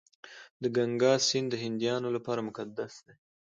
د ګنګا سیند د هندیانو لپاره مقدس دی.